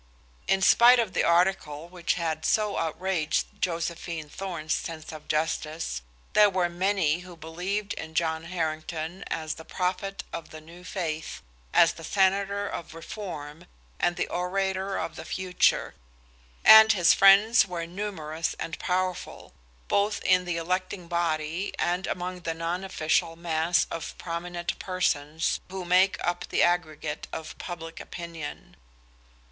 In spite of the article which had so outraged Josephine Thorn's sense of justice, there were many who believed in John Harrington as the prophet of the new faith, as the senator of reform and the orator of the future, and his friends were numerous and powerful, both in the electing body and among the non official mass of prominent persons who make up the aggregate of public opinion.